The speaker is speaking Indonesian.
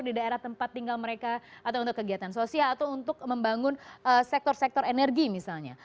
di daerah tempat tinggal mereka atau untuk kegiatan sosial atau untuk membangun sektor sektor energi misalnya